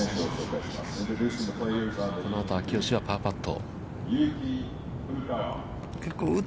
このあと秋吉はパーパット。